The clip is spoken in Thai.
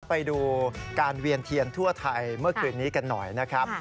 ไปดูการเวียนเทียนทั่วไทยเมื่อคืนนี้กันหน่อยนะครับ